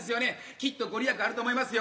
きっとご利益あると思いますよ。